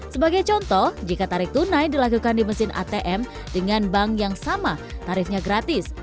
sebagai contoh jika tarik tunai dilakukan di mesin atm dengan bank yang sama tarifnya gratis